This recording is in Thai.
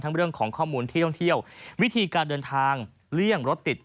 เรื่องของข้อมูลที่ท่องเที่ยววิธีการเดินทางเลี่ยงรถติด